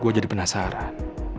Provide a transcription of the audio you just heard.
gue jadi penasaran